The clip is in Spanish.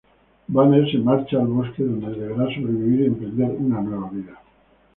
Banner se marcha al bosque, donde deberá sobrevivir y emprender una nueva vida.